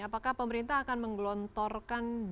apakah pemerintah akan menggelontorkan